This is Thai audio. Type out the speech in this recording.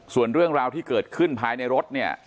ส่วนเรื่องราวที่เกิดขึ้นภายในรถเนี่ย